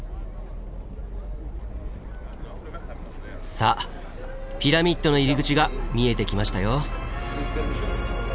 さあピラミッドの入り口が見えてきましたよ。